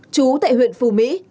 chú tại huyện phù mỹ